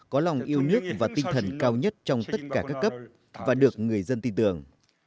có lòng yêu nước và tinh thần cao nhất trong tất cả các cấp và được người dân tin tưởng